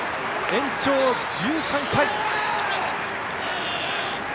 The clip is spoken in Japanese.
延長１３回。